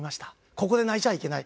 ここで泣いちゃいけない。